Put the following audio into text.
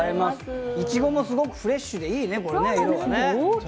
いちごもすごくフレッシュでいいね。